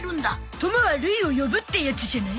「友は類を呼ぶ」ってやつじゃない？